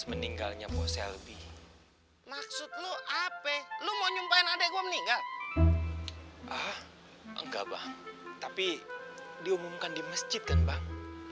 meninggalnya bang tapi diumumkan di masjid kan bang